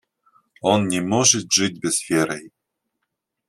Он не может жить без веры...